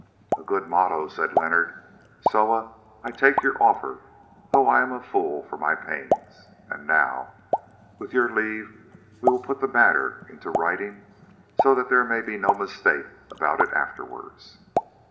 "A good motto," said Leonard. "Soa, I take your offer, though I am a fool for my pains. And now, with your leave, we will put the matter into writing so that there may be no mistake about it afterwards.